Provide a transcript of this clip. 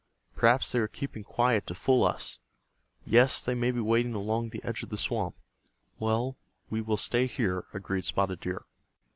Perhaps they are keeping quiet to fool us. Yes, they may be waiting along the edge of the swamp." "Well, we will stay here," agreed Spotted Deer.